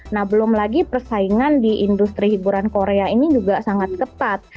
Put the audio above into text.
nah belum lagi persaingan di industri hiburan korea ini juga sangat ketat